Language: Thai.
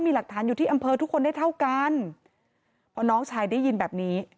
มีหลักฐานอยู่ที่อำเภอทุกคนได้เท่ากันพอน้องชายได้ยินแบบนี้